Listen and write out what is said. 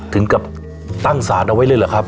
ถึงกับตั้งศาลเอาไว้เลยเหรอครับ